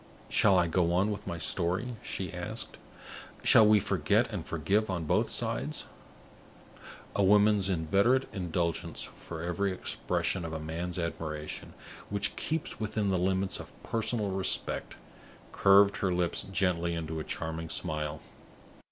"Shall I go on with my story?" she asked. "Shall we forget and forgive on both sides?" A woman's inveterate indulgence for every expression of a man's admiration which keeps within the limits of personal respect curved her lips gently into a charming smile.